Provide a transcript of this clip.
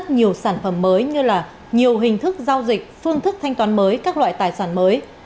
nhiều sản phẩm mới như là nhiều hình thức giao dịch phương thức thanh toán mới các loại tài sản mới